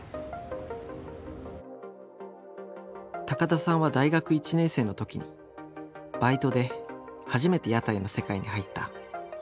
高田さんは大学１年生の時にバイトで初めて屋台の世界に入った。